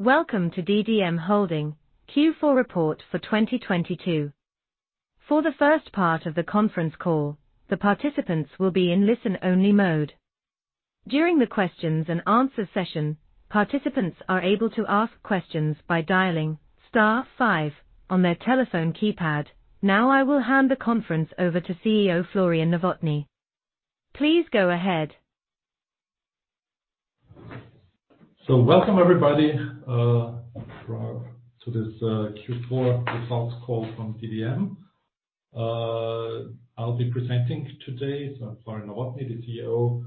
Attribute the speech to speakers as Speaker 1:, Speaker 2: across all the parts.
Speaker 1: Welcome to DDM Holding Q4 report for 2022. For the first part of the conference call, the participants will be in listen-only mode. During the questions and answers session, participants are able to ask questions by dialing star five on their telephone keypad. I will hand the conference over to CEO Florian Nowotny. Please go ahead.
Speaker 2: Welcome everybody to this Q4 results call from DDM. I'll be presenting today. I'm Florian Nowotny, the CEO.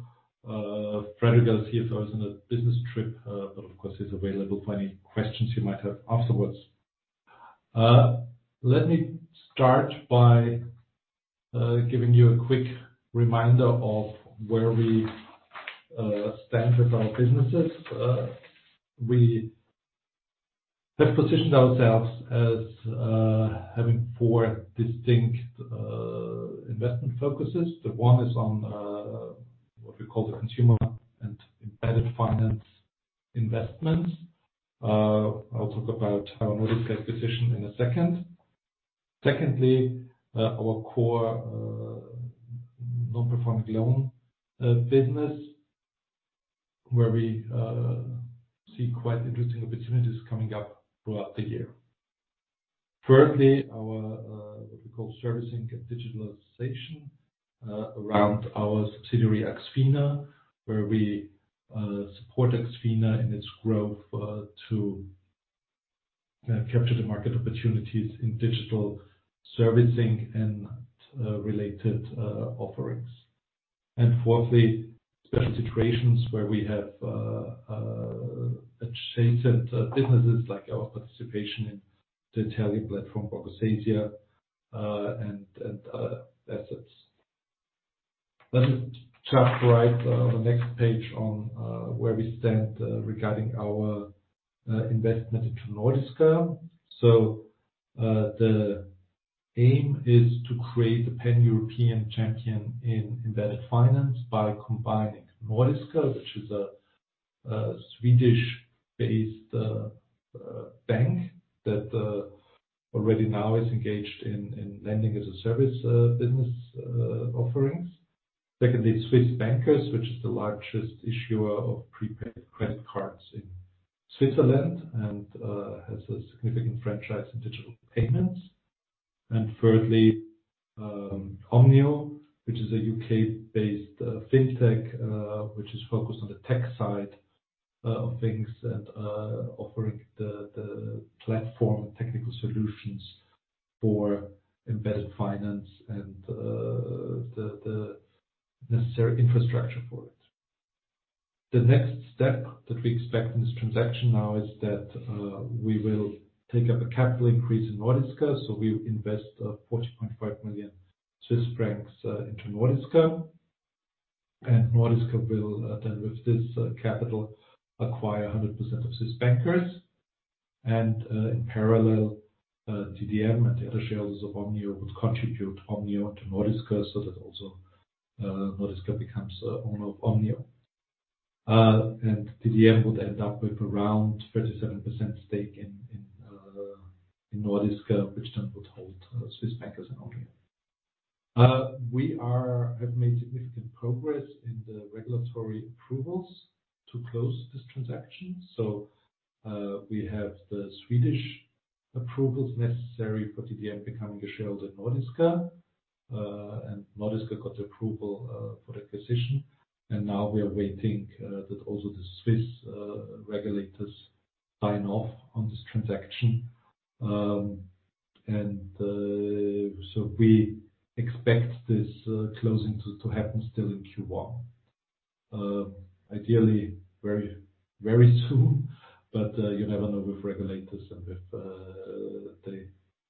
Speaker 2: Fredrik Olsson our CFO is on a business trip, but of course, he's available for any questions you might have afterwards. Let me start by giving you a quick reminder of where we stand with our businesses. We have positioned ourselves as having four distinct investment focuses. The one is on what we call the consumer and embedded finance investments. I'll talk about our Nordiska acquisition in a second. Secondly, our core non-performing loan business, where we see quite interesting opportunities coming up throughout the year. Thirdly, our what we call servicing and digitalization around our subsidiary AxFina, where we support AxFina in its growth to capture the market opportunities in digital servicing and related offerings. Fourthly, special situations where we have adjacent businesses like our participation in the Italian platform, Borgosesia S.p.A., and assets. Let me just right on the next page on where we stand regarding our investment into Nordiska. So the aim is to create a Pan-European champion in embedded finance by combining Nordiska, which is a Swedish-based bank that already now is engaged in Lending as a Service business offerings. Secondly, Swiss Bankers, which is the largest issuer of prepaid credit cards in Switzerland and has a significant franchise in digital payments. Thirdly, Omnio, which is a U.K.-based fintech, which is focused on the tech side of things and offering the platform technical solutions for embedded finance and the necessary infrastructure for it. The next step that we expect in this transaction now is that we will take up a capital increase in Nordiska. We invest 40.5 million Swiss francs into Nordiska. Nordiska will then with this capital acquire 100% of Swiss Bankers. In parallel, DDM and the other shareholders of Omnio would contribute Omnio to Nordiska, so that also Nordiska becomes the owner of Omnio. DDM would end up with around 37% stake in Nordiska, which then would hold Swiss Bankers and Omnio. We have made significant progress in the regulatory approvals to close this transaction. We have the Swedish approvals necessary for DDM becoming a shareholder in Nordiska. Nordiska got the approval for the acquisition. Now we are waiting that also the Swiss regulators sign off on this transaction. We expect this closing to happen still in Q1. Ideally very, very soon, but you never know with regulators and with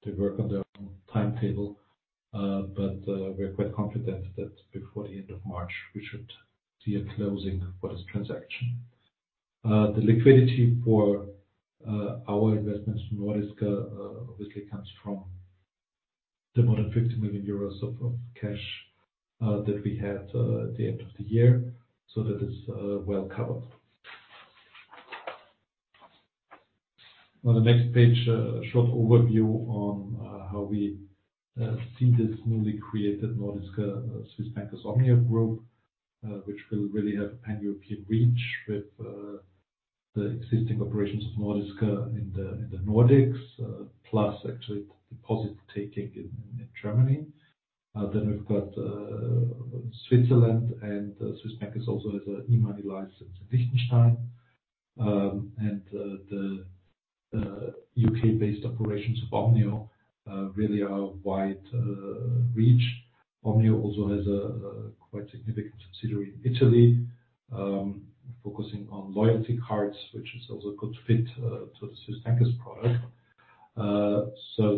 Speaker 2: they work on their own timetable. But we're quite confident that before the end of March, we should see a closing for this transaction. The liquidity for our investments in Nordiska obviously comes from the more than 50 million euros of cash that we had at the end of the year. That is well covered. On the next page, a short overview on how we see this newly created Nordiska Swiss Bankers Omnio Group, which will really have a Pan-European reach with the existing operations of Nordiska in the Nordics, plus actually deposit taking in Germany. Then we've got Switzerland and Swiss Bankers also has a e-money license in Liechtenstein, and the U.K.-based operations of Omnio really are wide reach. Omnio also has a quite significant subsidiary in Italy, focusing on loyalty cards, which is also a good fit to the Swiss Bankers product.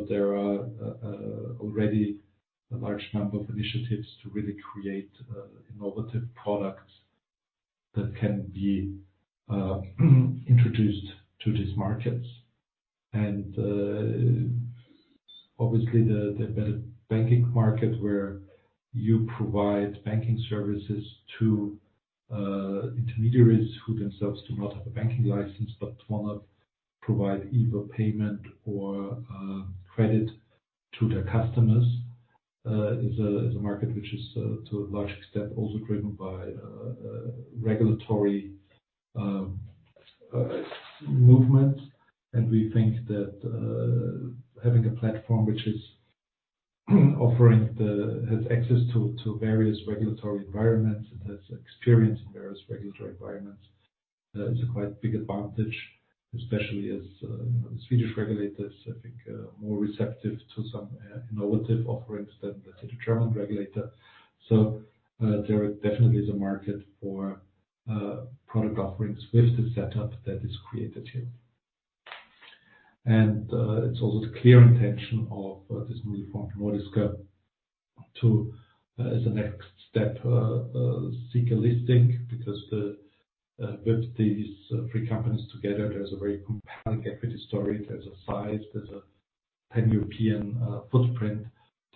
Speaker 2: There are already a large number of initiatives to really create innovative products that can be introduced to these markets. Obviously the better banking market where you provide banking services to intermediaries who themselves do not have a banking license but wanna provide either payment or credit to their customers is a market which is to a large extent also driven by regulatory movement. We think that having a platform which is offering has access to various regulatory environments and has experience in various regulatory environments is a quite big advantage, especially as the Swedish regulators, I think, are more receptive to some innovative offerings than let's say the German regulator. There definitely is a market for product offerings with the setup that is created here. It's also the clear intention of this newly formed Nordiska to as a next step seek a listing because with these three companies together, there's a very compelling equity story. There's a size, there's a Pan-European footprint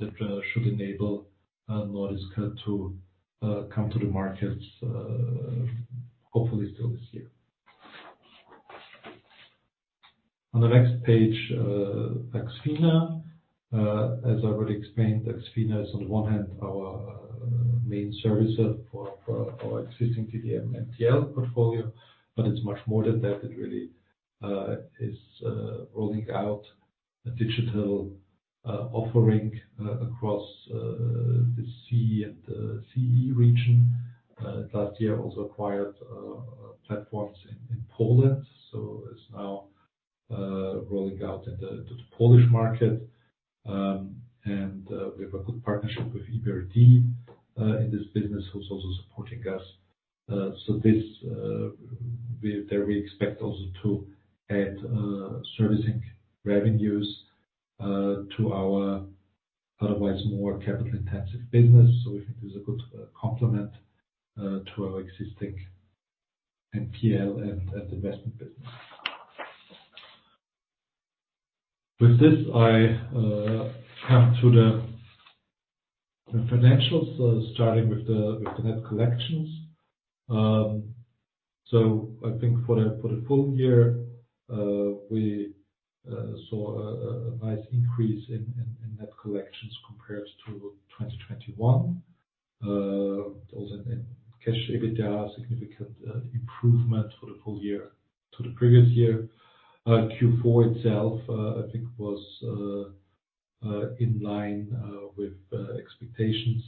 Speaker 2: that should enable Nordiska to come to the markets hopefully still this year. On the next page, AxFina. As I already explained, AxFina is on one hand our main servicer for our existing DDM NPL portfolio, but it's much more than that. It really is rolling out a digital offering across the CE region. Last year also acquired platforms in Poland, so it's now rolling out in the Polish market. We have a good partnership with EBRD in this business who's also supporting us. This There we expect also to add servicing revenues to our otherwise more capital-intensive business. We think there's a good complement to our existing NPL and investment business. With this, I come to the financials, starting with the net collections. I think for the full year, we saw a nice increase in net collections compared to 2021. Also in cash EBITDA, a significant improvement for the full year to the previous year. Q4 itself, I think was in line with expectations.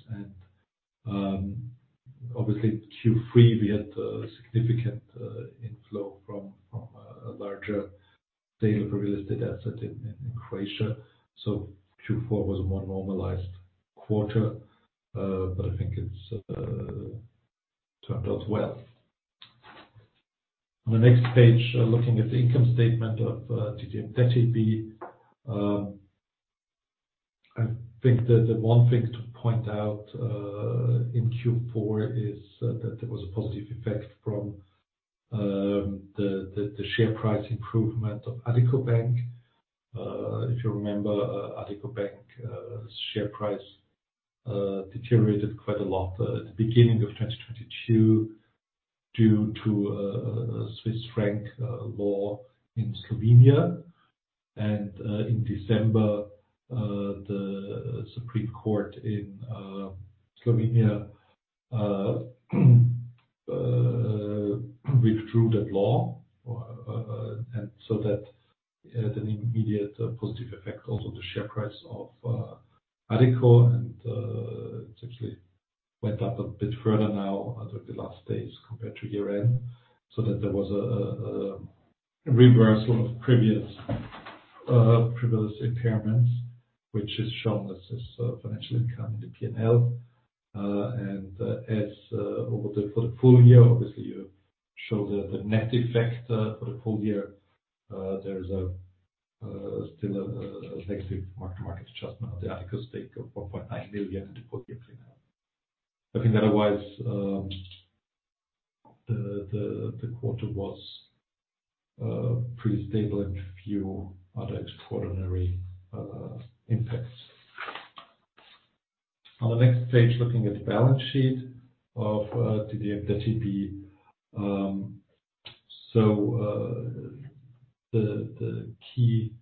Speaker 2: Obviously Q3 we had a significant inflow from a larger sale of a real estate asset in Croatia. Q4 was a more normalized quarter, but I think it's turned out well. On the next page, looking at the income statement of DDM Debt AB. I think the one thing to point out in Q4 is that there was a positive effect from the share price improvement of Addiko Bank. If you remember, Addiko Bank share price deteriorated quite a lot at the beginning of 2022 due to a Swiss franc law in Slovenia. In December, the Supreme Court in Slovenia withdrew that law. So that it had an immediate positive effect also on the share price of Addiko. It's actually went up a bit further now under the last days compared to year-end, so that there was a reversal of previous impairments, which is shown as this financial income in the P&L. As over the for the full year, obviously you show the net effect for the full year. There's still a negative mark-to-market adjustment on the Addiko stake of 4.9 million in the full year P&L. I think otherwise, the quarter was pretty stable and few other extraordinary impacts. On the next page, looking at the balance sheet of DDM Debt AB. The key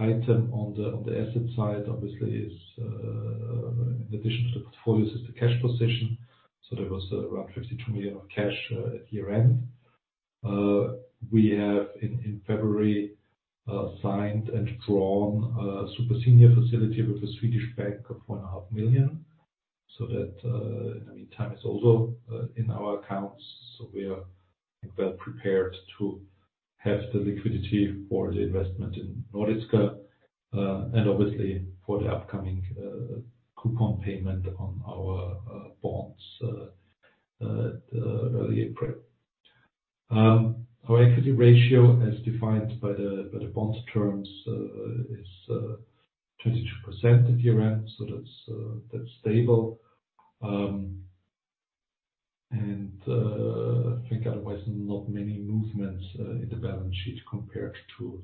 Speaker 2: item on the asset side obviously is, in addition to the portfolios, the cash position. There was around 52 million of cash at year-end. We have in February signed and drawn a super senior facility with a Swedish bank of 1.5 million. That in the meantime is also in our accounts. We are well prepared to have the liquidity for the investment in Nordiska and obviously for the upcoming coupon payment on our bonds early April. Our equity ratio as defined by the bond terms is 22% at year-end, that's stable. I think otherwise not many movements in the balance sheet compared to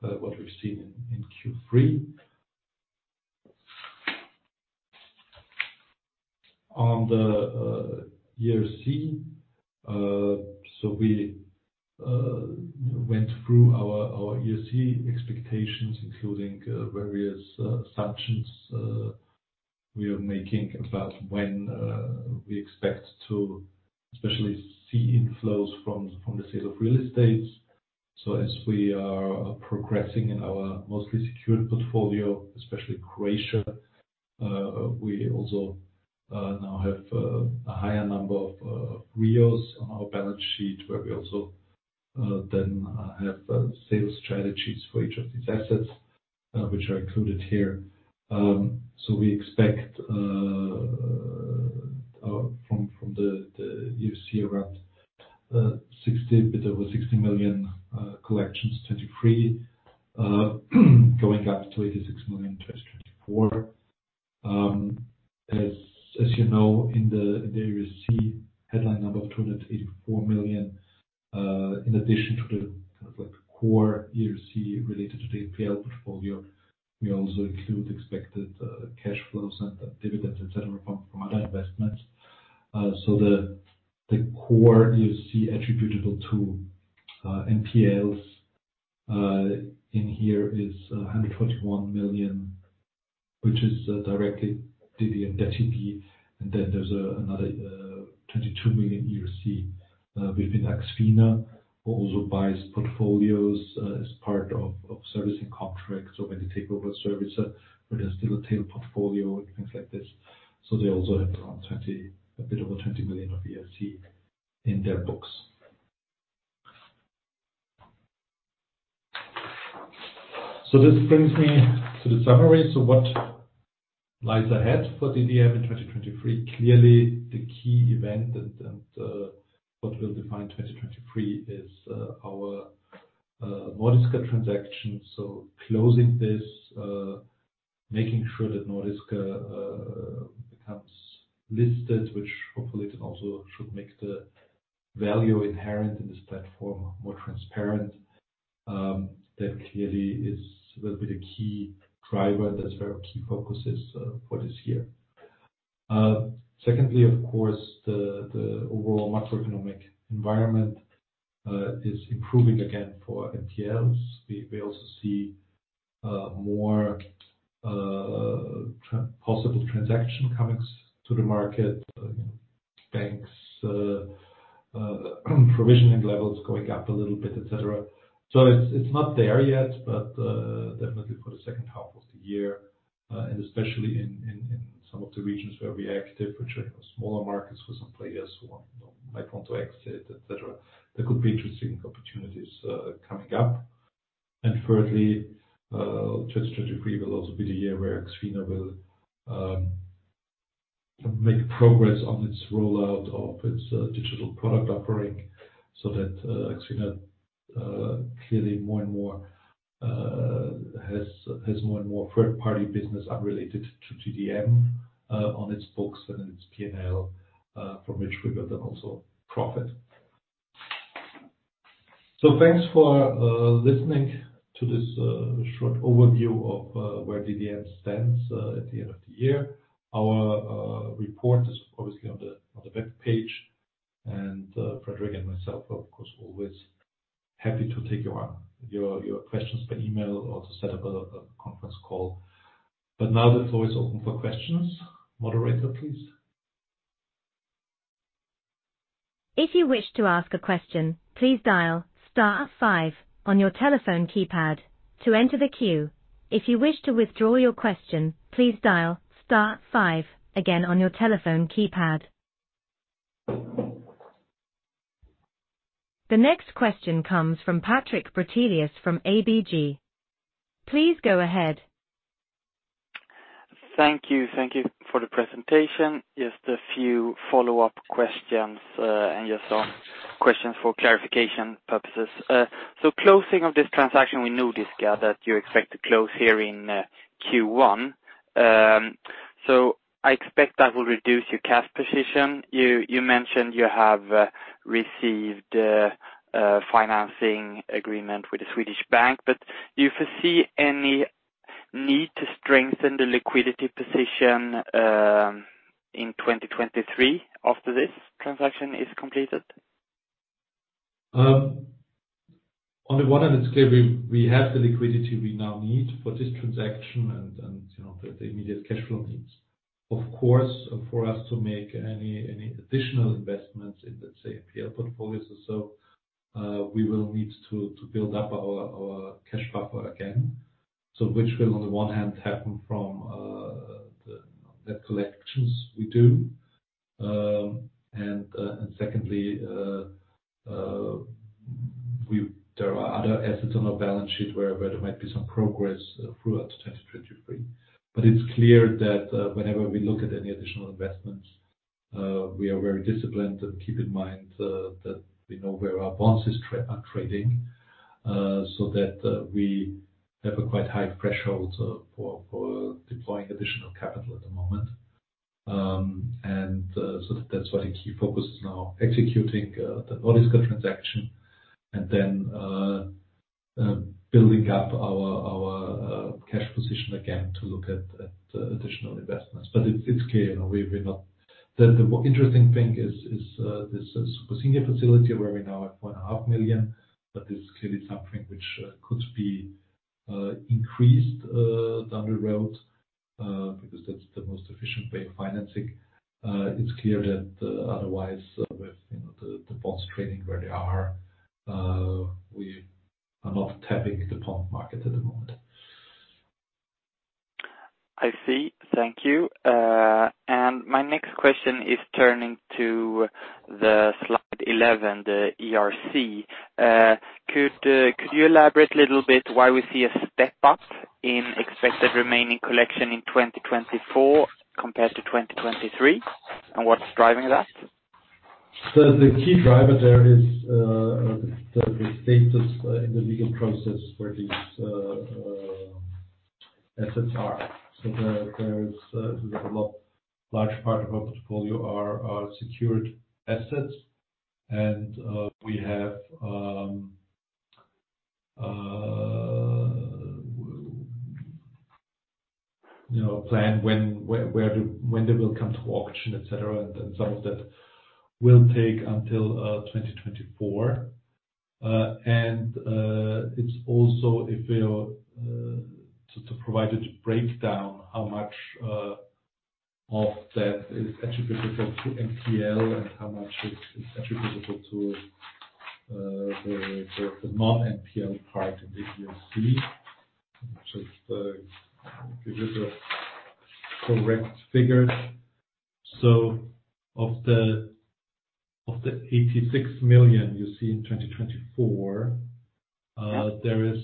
Speaker 2: what we've seen in Q3. On the ERC, we went through our ERC expectations, including various assumptions we are making about when we expect to especially see inflows from the sale of real estates. As we are progressing in our mostly secured portfolio, especially Croatia, we also now have a higher number of REOs on our balance sheet, where we also then have sales strategies for each of these assets, which are included here. We expect from the ERC around a bit over 60 million collections 2023, going up to 86 million in 2024. As you know, in the ERC headline number of 284 million, in addition to the kind of like core ERC related to the NPL portfolio, we also include expected cash flows and dividends, et cetera, from other investments. The core ERC attributable to NPLs in here is 121 million, which is directly DDM Debt AB. There's another 22 million ERC within AxFina, who also buys portfolios as part of servicing contracts or when they take over a servicer where there's still a tail portfolio and things like this. They also have around a bit over 20 million of ERC in their books. This brings me to the summary. What lies ahead for DDM in 2023? Clearly the key event and, what will define 2023 is our Nordiska transaction. Closing this, making sure that Nordiska becomes listed, which hopefully can also should make the value inherent in this platform more transparent. That clearly will be the key driver. That's where our key focus is for this year. Secondly, of course, the overall macroeconomic environment is improving again for NPLs. We also see more possible transaction coming to the market. You know, banks provisioning levels going up a little bit, et cetera. It's not there yet, but definitely for the second half of the year and especially in some of the regions where we are active, which are smaller markets where some players want to exit, et cetera. There could be interesting opportunities coming up. Thirdly, 2023 will also be the year where AxFina will make progress on its rollout of its digital product offering so that AxFina clearly more and more has more and more third-party business unrelated to DDM on its books and its P&L from which we will then also profit. Thanks for listening to this short overview of where DDM stands at the end of the year. Our report is obviously on the on the web page, and Fredrik and myself are, of course, always happy to take your your questions by email or to set up a conference call. Now the floor is open for questions. Moderator, please.
Speaker 1: If you wish to ask a question, please dial star five on your telephone keypad to enter the queue. If you wish to withdraw your question, please dial star five again on your telephone keypad. The next question comes from Patrik Brattelius from ABG. Please go ahead.
Speaker 3: Thank you. Thank you for the presentation. Just a few follow-up questions, just some questions for clarification purposes. Closing of this transaction with Nordiska that you expect to close here in Q1. I expect that will reduce your cash position. You mentioned you have received a financing agreement with a Swedish bank, do you foresee any need to strengthen the liquidity position in 2023 after this transaction is completed?
Speaker 2: On the one hand, it's clear we have the liquidity we now need for this transaction and, you know, the immediate cash flow needs. Of course, for us to make any additional investments in, let's say, NPL portfolios or so, we will need to build up our cash buffer again. Which will on the one hand happen from the collections we do. Secondly, there are other assets on our balance sheet where there might be some progress throughout 2023. It's clear that whenever we look at any additional investments, we are very disciplined and keep in mind that we know where our bonds are trading. That we have a quite high threshold for deploying additional capital at the moment. That's why the key focus is now executing the Nordiska transaction and then building up our cash position again to look at additional investments. It's clear, you know, the more interesting thing is this senior facility where we're now at 4.5 million, it's clearly something which could be increased down the road because that's the most efficient way of financing. It's clear that otherwise with, you know, the bonds trading where they are, we are not tapping the bond market at the moment.
Speaker 3: I see. Thank you. My next question is turning to the slide 11, the ERC. Could you elaborate a little bit why we see a step up in expected remaining collection in 2024 compared to 2023, and what's driving that?
Speaker 2: The key driver there is the status in the legal process where these assets are. There is a lot large part of our portfolio are secured assets and we have, you know, a plan when, where, when they will come to auction, et cetera. Some of that will take until 2024. It's also a real. To provide a breakdown, how much of that is attributable to NPL and how much is attributable to the non-NPL part of the ERC. Just give you the correct figures. Of the 86 million you see in 2024.
Speaker 3: Yeah.
Speaker 2: There is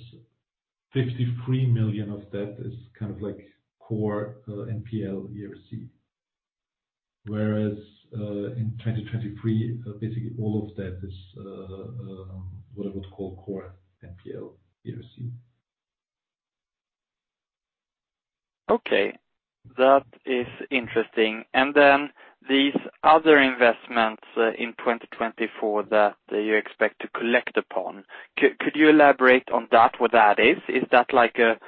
Speaker 2: 53 million of that is kind of like core NPL ERC. Whereas in 2023, basically all of that is what I would call core NPL ERC.
Speaker 3: Okay. That is interesting. These other investments, in 2024 that you expect to collect upon, could you elaborate on that? What that is? Is that like a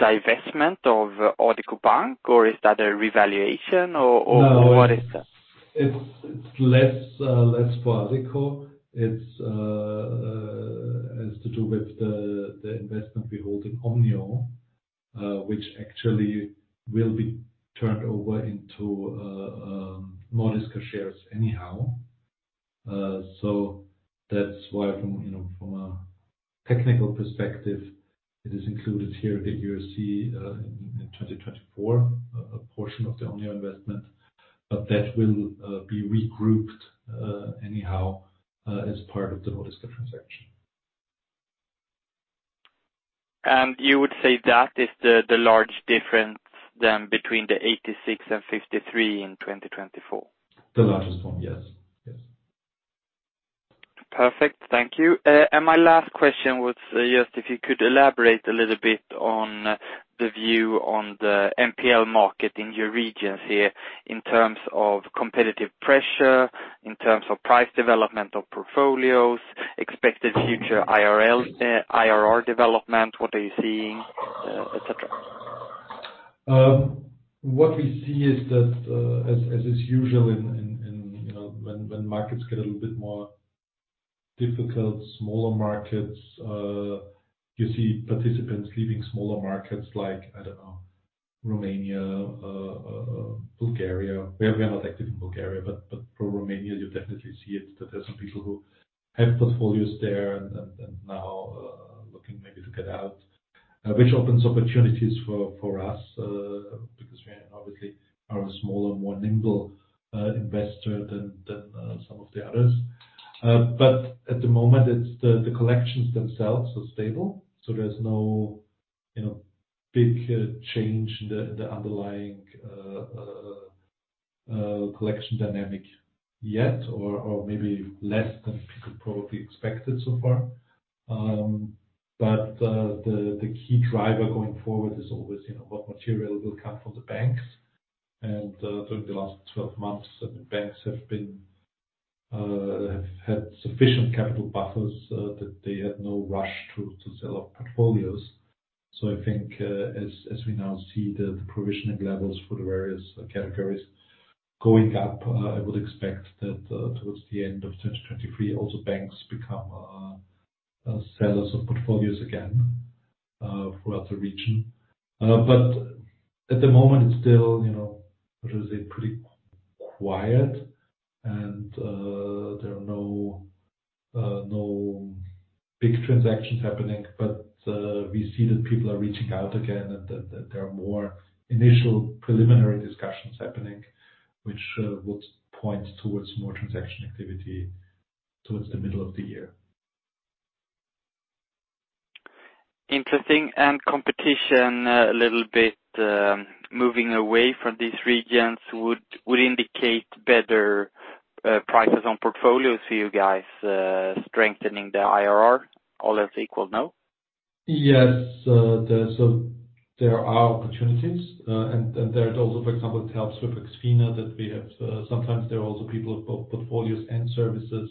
Speaker 3: divestment of Addiko Bank or is that a revaluation? Or what is that?
Speaker 2: No. It's less for Addiko. It's has to do with the investment we hold in Omnio, which actually will be turned over into Nordiska shares anyhow. That's why from, you know, from a technical perspective, it is included here at the ERC in 2024, a portion of the Omnio investment. That will be regrouped anyhow as part of the Nordiska transaction.
Speaker 3: You would say that is the large difference then between the 86 million and 53 million in 2024?
Speaker 2: The largest one. Yes.
Speaker 3: Perfect. Thank you. My last question was just if you could elaborate a little bit on the view on the NPL market in your regions here in terms of competitive pressure, in terms of price development of portfolios, expected future IRR development, what are you seeing, et cetera?
Speaker 2: What we see is that, as is usual in, in, you know, when markets get a little bit more difficult, smaller markets, you see participants leaving smaller markets like, I don't know, Romania, Bulgaria. We are not active in Bulgaria, but for Romania you definitely see it, that there are some people who have portfolios there and now looking maybe to get out. Which opens opportunities for us, because we obviously are a smaller, more nimble investor than some of the others. At the moment it's the collections themselves are stable, so there's no, you know, big change in the underlying collection dynamic yet or maybe less than people probably expected so far. The key driver going forward is always, you know, what material will come from the banks. During the last 12 months, the banks have been have had sufficient capital buffers that they had no rush to sell off portfolios. I think as we now see the provisioning levels for the various categories going up, I would expect that towards the end of 2023, also banks become sellers of portfolios again throughout the region. At the moment it's still, you know, what I would say, pretty quiet and there are no big transactions happening. We see that people are reaching out again and that there are more initial preliminary discussions happening, which would point towards more transaction activity towards the middle of the year.
Speaker 3: Interesting. Competition a little bit, moving away from these regions would indicate better prices on portfolios for you guys, strengthening the IRR all else equal, no?
Speaker 2: Yes. There are opportunities, and there's also, for example, it helps with AxFina that we have, sometimes there are also people with both portfolios and services,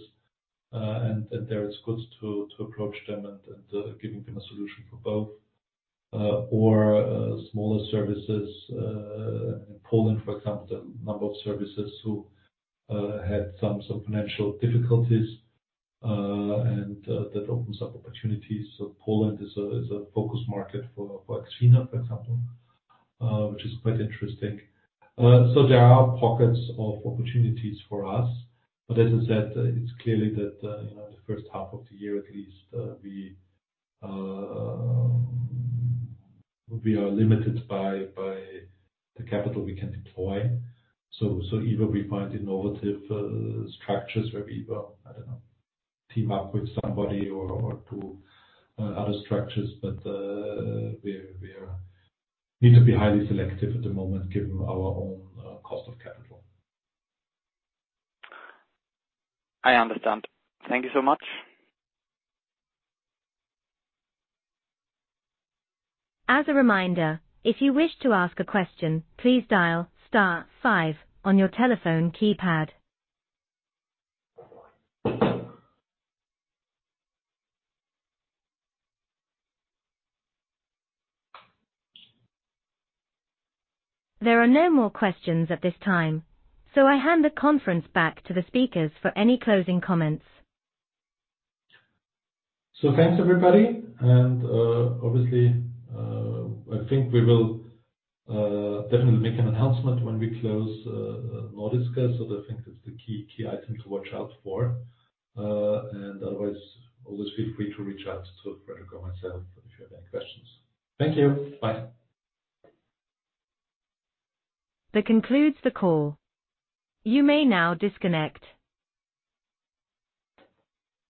Speaker 2: and there it's good to approach them and giving them a solution for both. Or smaller services in Poland, for example, the number of services who had some sort of financial difficulties, and that opens up opportunities. Poland is a focus market for AxFina for example, which is quite interesting. There are pockets of opportunities for us. That said, it's clearly that, you know, the first half of the year at least, we are limited by the capital we can deploy. Either we find innovative structures where we, I don't know, team up with somebody or do other structures. We need to be highly selective at the moment given our own cost of capital.
Speaker 3: I understand. Thank you so much.
Speaker 1: As a reminder, if you wish to ask a question, please dial star five on your telephone keypad. There are no more questions at this time. I hand the conference back to the speakers for any closing comments.
Speaker 2: Thanks, everybody. Obviously, I think we will definitely make an announcement when we close Nordiska. I think that's the key item to watch out for. Otherwise, always feel free to reach out to Fredrik or myself if you have any questions. Thank you. Bye.
Speaker 1: That concludes the call. You may now disconnect.